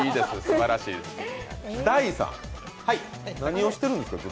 すばらしいです。